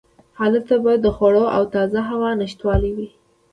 هلته به د خوړو او تازه هوا نشتوالی و.